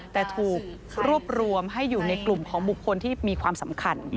แต่ถูกรวบรวมให้อยู่ในกลุ่มของบุคคลที่มีความสำคัญ